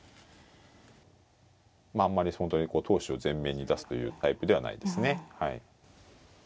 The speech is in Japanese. まああんまり本当にこう闘志を前面に出すというタイプではないですね。